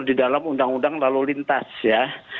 di dalam undang undang lalu lintas ya